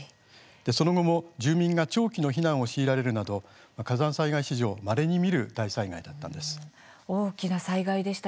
その後も住民が長期の避難を強いられるなど火山災害史上まれに見る大災害でした。